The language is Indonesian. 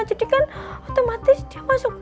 jadi kan otomatis dia masuk